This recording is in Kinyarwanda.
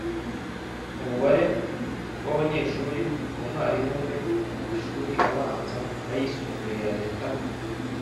Umubare w abanyeshuri ku mwarimu umwe mu mashuri abanza n ayisumbuye ya Leta